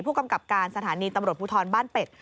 ผู้กำกับการสถานีตำรวจภูทรบ้านเป็ด